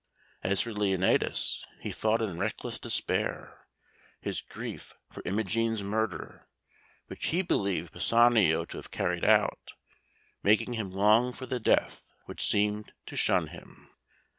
As for Leonatus, he fought in reckless despair, his grief for Imogen's murder, which he believed Pisanio to have carried out, making him long for the death which seemed to shun him.